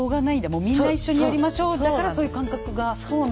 もうみんな一緒にやりましょうだからそういう感覚が生まれやすいのか。